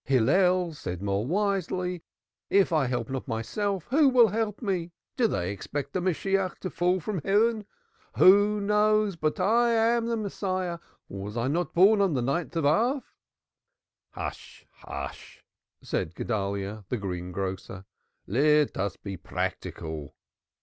Hillel said more wisely: 'If I help not myself who will help me?' Do they expect the Messiah to fall from heaven? Who knows but I am the Messiah? Was I not born on the ninth of Ab?" "Hush, hush!" said Guedalyah, the greengrocer. "Let us be practical.